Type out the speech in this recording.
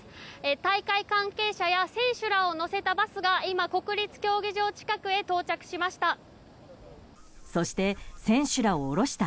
大会関係者や選手らを乗せたバスが国立競技場近くへ到着しました。